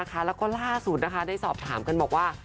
แล้วก็ล่าสุดได้สอบถามกันบอกว่า